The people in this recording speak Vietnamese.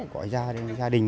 có gia đình